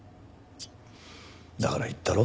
だから言ったろ？